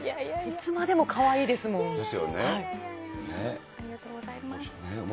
いつまでもかわいいですもん。